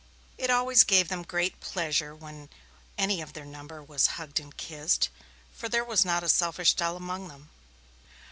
It always gave them great pleasure when any of their number was hugged and kissed, for there was not a selfish doll among them.